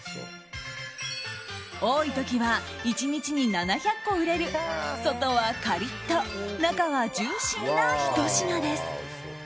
多い時は、１日に７００個売れる外はカリッと中はジューシーなひと品です。